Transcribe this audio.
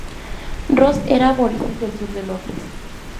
Rose era aborigen del sur de Londres.